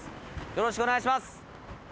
よろしくお願いします